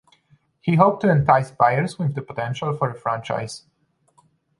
He hoped to entice buyers with the potential for a franchise.